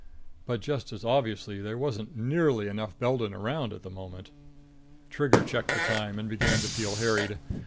But just as obviously there wasn't nearly enough Beldon around at the moment. Trigger checked the time and began to feel harried.